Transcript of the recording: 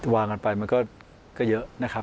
วางกันไปมันก็เยอะนะครับ